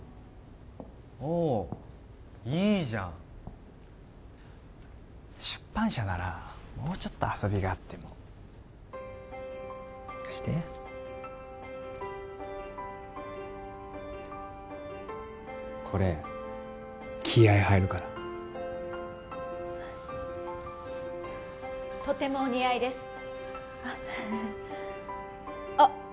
おいいじゃん出版社ならもうちょっと遊びがあっても貸してこれ気合い入るからとてもお似合いですあっ